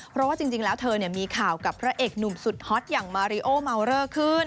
เพราะว่าจริงแล้วเธอมีข่าวกับพระเอกหนุ่มสุดฮอตอย่างมาริโอเมาเลอร์ขึ้น